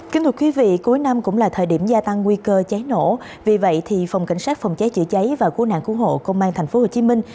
kính thưa quý vị cuối năm cũng là thời điểm gia tăng nguy cơ cháy nổ vì vậy phòng cảnh sát phòng cháy chữa cháy và cứu nạn cứu hộ công an thành phố hồ chí minh